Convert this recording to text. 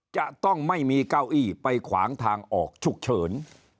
จะต้องไม่มีเก้าอี้ไปขวางทางออกฉุกเฉิน